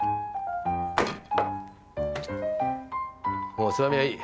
もうつまみはいい。